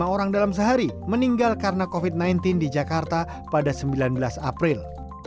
lima orang dalam sehari meninggal karena covid sembilan belas di jakarta pada sembilan belas april